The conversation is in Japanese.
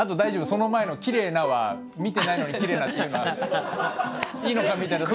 その前の「きれいな」は見てないのに「きれいな」って言うのはいいのかみたいな。